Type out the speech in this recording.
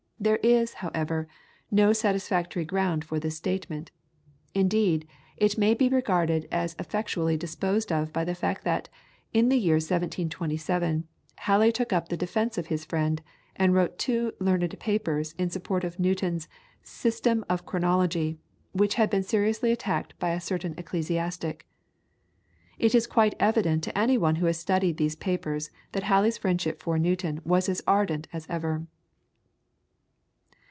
There is, however, no satisfactory ground for this statement; indeed, it may be regarded as effectually disposed of by the fact that, in the year 1727, Halley took up the defence of his friend, and wrote two learned papers in support of Newton's "System of Chronology," which had been seriously attacked by a certain ecclesiastic. It is quite evident to any one who has studied these papers that Halley's friendship for Newton was as ardent as ever.